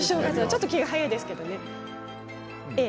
ちょっと気が早いですけれど。